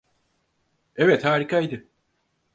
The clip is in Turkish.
Evet, harikaydı.